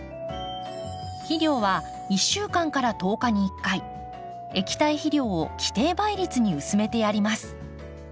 肥料は１週間１０日に１回液体肥料を規定倍率に薄めてやります。